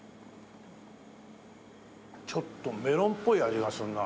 ちょっとメロンっぽい味がするな。